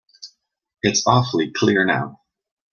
It's awfully clear now.